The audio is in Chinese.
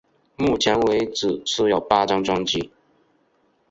目前为止出有八张专辑。